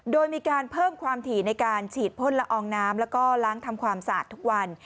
โดยมีการเพิ่มความถี่ในการฉีดพ่นละอองน้ำแล้วก็ล้างทำความสะอาดทุกวัน